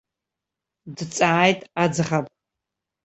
Дҵааит аӡӷаб.